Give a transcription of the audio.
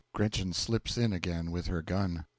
(GRETCHEN slips in again with her gun.) W.